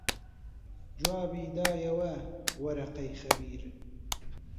جوابی دایەوە وەرەقەی خەبیر